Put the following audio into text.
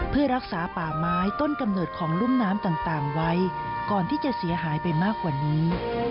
เพื่อรักษาป่าไม้ต้นกำเนิดของลุ่มน้ำต่างไว้ก่อนที่จะเสียหายไปมากกว่านี้